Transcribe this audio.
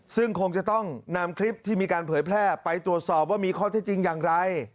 ซึ่งคงจะต้องนำคลิปที่มีการเผยแพร่ไปตรวจสอบว่ามีข้อเท็จจริงอย่างไร